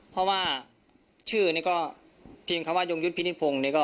เพราะว่าชื่อนี่ก็เพียงคำว่ายงยุทธ์พินิพงศ์